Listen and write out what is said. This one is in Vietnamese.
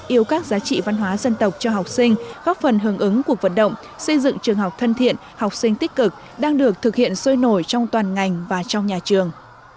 yêu các giá trị văn hóa dân tộc cho học sinh góp phần hưởng ứng cuộc vận động xây dựng trường học thân thiện học sinh tích cực đang được thực hiện sôi nổi trong toàn ngành và trong nhà trường